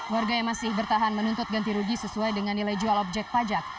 warga yang masih bertahan menuntut ganti rugi sesuai dengan nilai jual objek pajak